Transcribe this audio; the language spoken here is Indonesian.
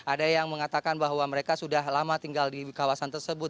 ada yang mengatakan bahwa mereka sudah lama tinggal di kawasan tersebut